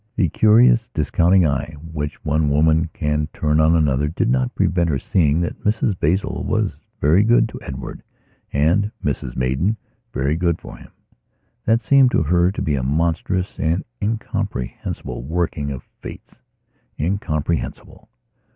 The curious, discounting eye which one woman can turn on another did not prevent her seeing that Mrs Basil was very good to Edward and Mrs Maidan very good for him. That seemed her to be a monstrous and incomprehensible working of Fate's. Incomprehensible!